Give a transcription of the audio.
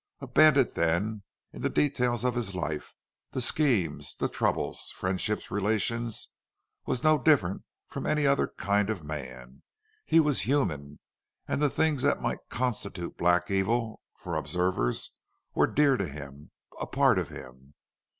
A bandit, then, in the details of his life, the schemes, troubles, friendships, relations, was no different from any other kind of a man. He was human, and things that might constitute black evil for observers were dear to him, a part of him.